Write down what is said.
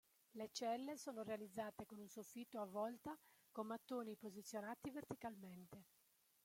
Le celle sono realizzate con un soffitto a volta con mattoni posizionati verticalmente.